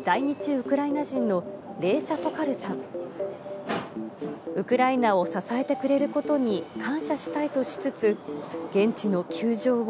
ウクライナを支えてくれることに感謝したいとしつつ、現地の窮状